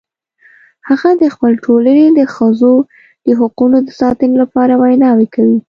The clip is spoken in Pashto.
هغه د خپل ټولنې د ښځو د حقونو د ساتنې لپاره ویناوې کوي